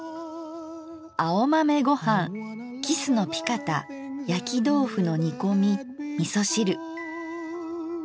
「青豆ごはんキスのピカタ焼きどうふの煮こみみそ汁」。